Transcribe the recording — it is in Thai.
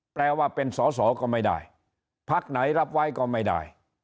แปลว่าเป็นสอสอก็ไม่ได้พักไหนรับไว้ก็ไม่ได้